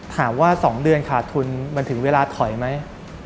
๒เดือนขาดทุนมันถึงเวลาถอยไหม